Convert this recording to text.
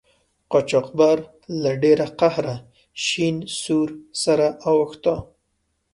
قاچاقبر له ډیره قهره شین سور سره اوښته.